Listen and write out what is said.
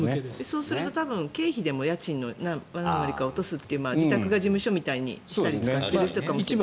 そうすると経費でも家賃の何割かを落とすという自宅が事務所みたいに使っている人かもしれないですね。